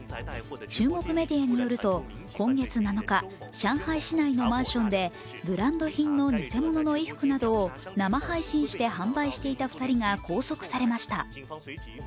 中国メディアによると、今月７日上海市内のマンションでブランド品の偽物の衣服などを生配信して販売していた２人が拘束されました。